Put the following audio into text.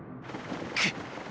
くっ！